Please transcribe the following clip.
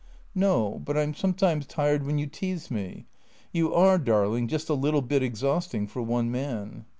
" No, but I 'm sometimes tired when you tease me. You are, darling, just a little bit exhausting for one man."